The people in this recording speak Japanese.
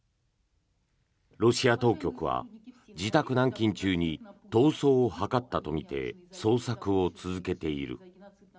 ロシア当局は自宅軟禁中に逃走を図ったとみて捜索を続けている。